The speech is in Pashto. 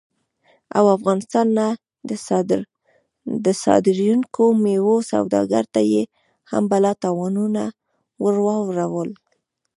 او افغانستان نه د صادرېدونکو میوو سوداګرو ته یې هم بلا تاوانونه ور واړول